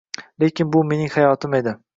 Lekin bu mening hayotim edi.